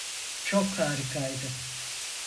Çok harikaydı.